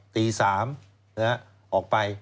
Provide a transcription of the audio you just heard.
ตี๓นะครับออกไป